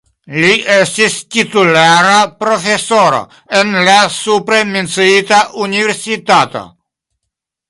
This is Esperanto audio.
Li estis titulara profesoro en la supre menciita universitato.